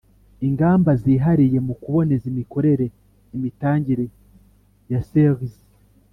Ingamba zihariye mu kuboneza imikorere imitangire ya ser isi